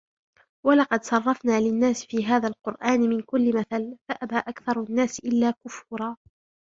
ولقد صرفنا للناس في هذا القرآن من كل مثل فأبى أكثر الناس إلا كفورا